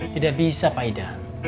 tidak bisa pak idan